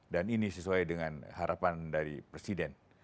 dan ini sesuai dengan harapan dari presiden